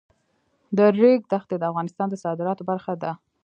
د ریګ دښتې د افغانستان د صادراتو برخه ده.